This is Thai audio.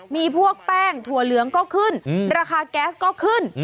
มีพวกแป้งถั่วเหลืองก็ขึ้นราคาแก๊สก็ขึ้น